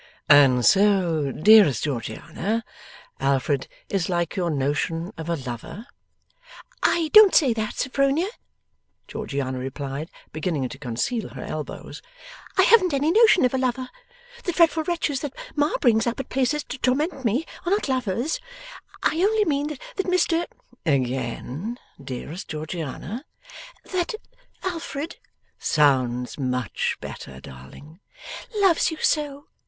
'And so, dearest Georgiana, Alfred is like your notion of a lover?' 'I don't say that, Sophronia,' Georgiana replied, beginning to conceal her elbows. 'I haven't any notion of a lover. The dreadful wretches that ma brings up at places to torment me, are not lovers. I only mean that Mr ' 'Again, dearest Georgiana?' 'That Alfred ' 'Sounds much better, darling.' ' Loves you so.